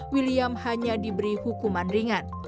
william hanya diberi hukuman ringan